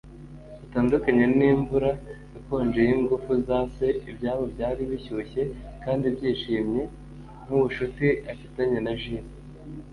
Bitandukanye n'imvura ikonje yingufu za se, ibyabo byari bishyushye kandi byishimye, nkubucuti afitanye na Jule.